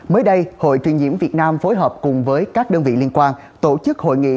mới đây hội truyền nhiễm việt nam phối hợp cùng với các đơn vị liên quan tổ chức hội nghị